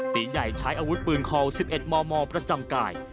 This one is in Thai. ตีใหญ่ใช้อาวุธปืนคอ๑๑มมประจำกาย